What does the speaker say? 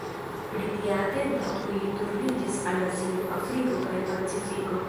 Britia atento tuj turniĝis al Azio, Afriko, kaj Pacifiko.